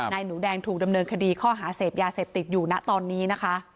หนูแดงถูกดำเนินคดีข้อหาเสพยาเสพติดอยู่นะตอนนี้นะคะ